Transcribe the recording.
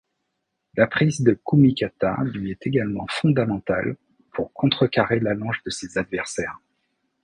La prise de kumi-kata lui est également fondamentale pour contrecarrer l'allonge de ses adversaires.